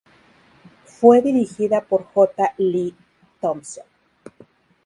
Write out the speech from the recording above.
Fue dirigida por J. Lee Thompson.